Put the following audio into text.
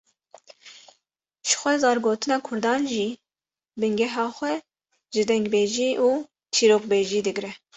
Ji xwe zargotina Kurdan jî bingeha xwe ji dengbêjî û çîrokbêjî digre